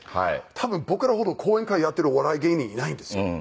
多分僕らほど講演会やっているお笑い芸人いないんですよ。